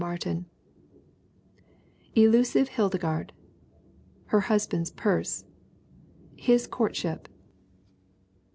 MARTIN Elusive Hildegarde. Her Husband's Purse. His Courtship.